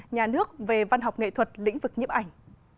nhà nước về văn học nghệ thuật lĩnh vực nhiếp ảnh